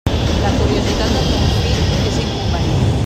La curiositat de ton fill és inconvenient.